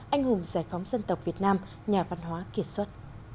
anh hùng giải phóng dân tộc việt nam nhà văn hóa kiệt xuất